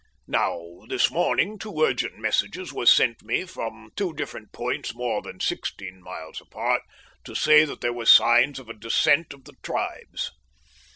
Now, this morning two urgent messages were sent me from two different points more than sixteen miles apart, to say that there were signs of a descent of the tribes.